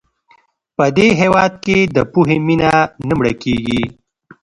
په دې هېواد کې د پوهې مینه نه مړه کېږي.